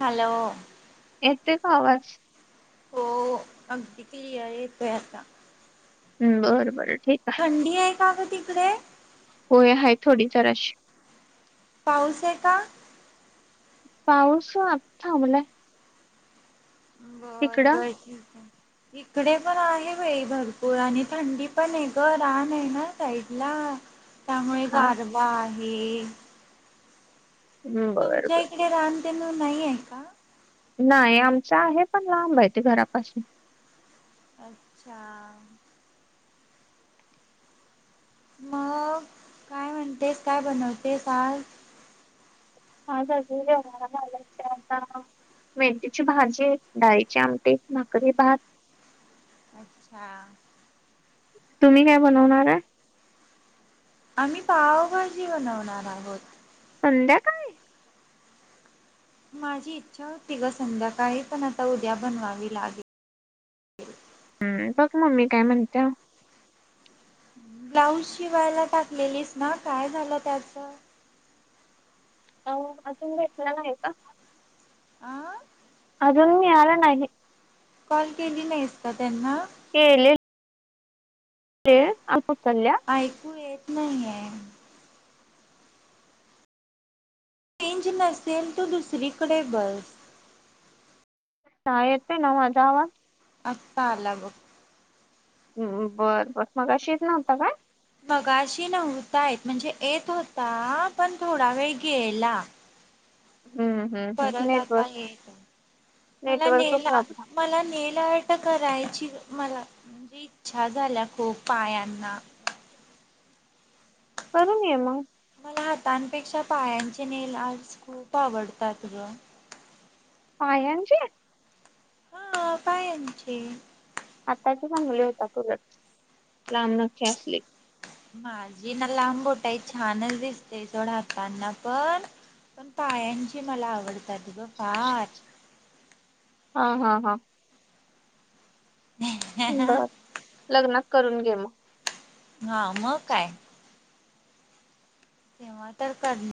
Hello येते कां आवांज हो हो अगं कीती येतो आहे आंता बरं बरं ठीक आहे थंडी आहे कां गं तिकडे होयं आहे थोडी फांर जरांशी पाऊस आहे कां पाऊस आंता अं थांबलां आहे बरं तिकडं? बरं ठीक आहे ईकडे पणं आहे बाई भरंपूर आणि थंडी पणं आहे गं रांन आहे नां साईड लां त्यांमुळे हा गांरवा आहे हं, बरं तुमच्यां बरं. ईकडे रांनदनूं नाहीं आहे कां नाहीं आमच्यां आहे पणं लांब आहे ते घरांपासून अच्छा आं मंग कायं म्हणतेस कायं बनवतेस आंज हां आंज अजूंन जेवणांला घालचं आंता मेथीची भाजी डाळीचे आमटी भाकरी भात अच्छा तुम्हीं कायं बनवणांर आहे आम्हीं पावभाजी बनवणांर आहोंत संध्या काळं माझी ईच्छा होती गं संध्याकांळी पणं आंता उद्यां बनवांवी लागेल हम्मं बघं मम्मी कायं म्हणते ब्लाऊज शिवांयला टाकलेलीस नां कायं झालं त्याचं अहो अजूंन भेटलेला नाहीं आहे कां आं अजूंन मिळालां नाहीं कॉल केली नाहीसं कां त्यांनां केले ते अल्पचालल्यां ऐकू येत नाहीयेय. चेंज नसेल त दुसरीकडे बस. चा येते ना माझा आवाज? आत्ता आला बघ. हम् बरं बर मगाशी इथ नव्हता काय? मगाशी नव्हता येत म्हणजे येत होता पण थोडा वेळ गेला. हम्म. हम्म हम्म परत आता नेटवर्क ये इथ मला नेटवर्क न्हेयला प्रॉब्लेम मला न्हेयला त करायची मला म्हणजे इच्छा झालीया खूप पायांना करून ये मग. मला हातांपेक्षा पायांचे नेल आर्ट्स खूप आवडतात ग. पायांचे? हा पायांचे. हाताचे चांगले होता कुरट लांब नखे असले माझी ना लांबबोटाई छानच दिस ते थोड हाताना पण पण पायांची मला आवड हा हा हा. बर लग्नात करून घे मग. हा म काय. तेव्हा तर कर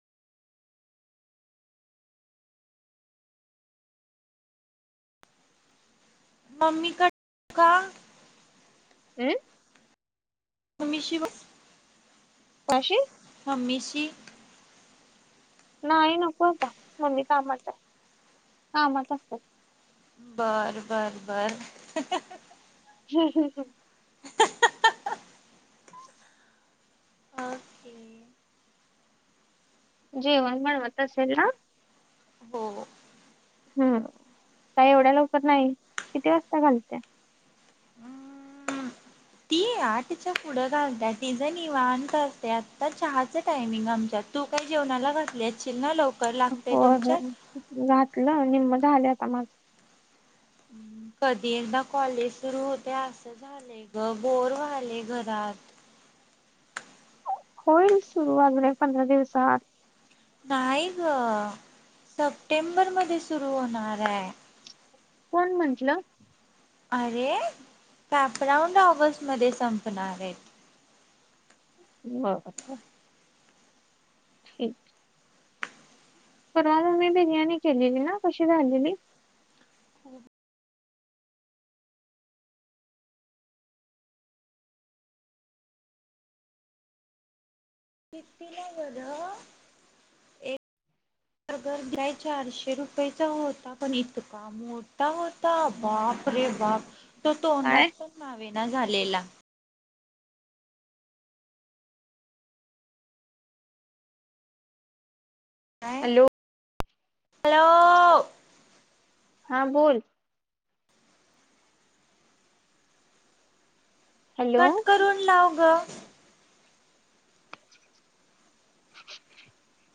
मम्मी क का. हमं. मम्मीशी ब पाशी हम्मीशी नाई नको आता मम्मी कामाताय कामात असते. बर बर बर. हम ह हं. हम. जेवण बनवत असेल ना? हो. हम् का एवढ्या लवकर नाही किती वाजता घालतिया? ती आठच्या पुढं घालतिया तिझं निवांत असतय आत्ता चहाचं टायमिंग आमच्यात. तू काय जेवणाला घतली असशील ना लवकर लागतय तुमच्यात. घातलंय निम्म झालयं आता माझ. कधी एकदा कॉलेज सुरू होतंय आसं झालंय ग बोर व्हालय घरात. होइल सुरू अजून एक पंधरा दिवसात. नाही ग सप्टेंबर मध्ये सुरू होणाराय. कोण म्हटलं? अरे कापराऊंड ऑगस्ट मध्ये संपणारेत. [unintelligible] ठीक परवा मम्मी बिर्याणी केलेली ना कशी झालेली? कितीला बर ऐ [unintelligible] चारशे रुपयेचा होता पण इतका मोठ होतां बापरे बापरे तो काय तोंडांत पणं चावेनां झालेला कायं हॅलो हॅलो हां बोलं हॅलो कंट करूंन लांव गं [unintelligible]